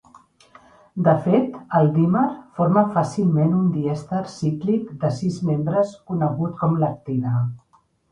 De fet, el dímer forma fàcilment un dièster cíclic de sis membres conegut com lactida.